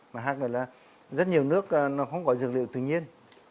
mà hát này là rất nhiều nước nó không có dược liệu tự nhiên